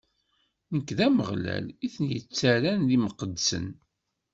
Nekk, d Ameɣlal, i ten-ittarran d imqeddsen.